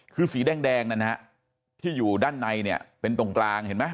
คือสีแดงนะฮะที่อยู่ด้านในเนี่ยเป็นตรงกลางเห็นไหม